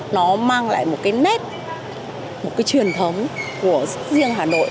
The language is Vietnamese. nó mang lại một cái nét một cái truyền thống của riêng hà nội